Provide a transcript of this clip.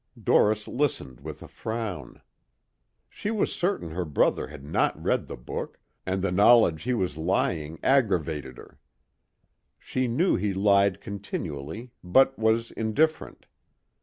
Doris listened with a frown. She was certain her brother had not read the book and the knowledge he was lying aggravated her. She knew he lied continually but was indifferent.